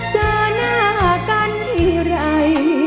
เจอหน้ากันทีไร